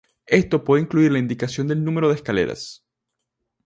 Esto puede incluir la indicación del número de escaleras.